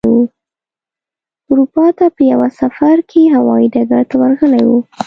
اروپا ته په یوه سفر کې هوايي ډګر ته ورغلی و.